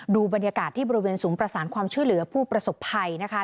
ดูบรรยากาศที่บริเวณศูนย์ประสานความช่วยเหลือผู้ประสบภัยนะคะ